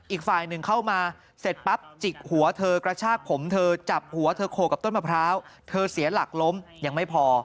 อีกฝ่ายหนึ่งเข้ามาเสร็จปั๊บจิกหัวเธอกระชากผมเธอจับหัวเธอโขกกับต้นมะพร้าวเธอเสียหลักล้มยังไม่พอ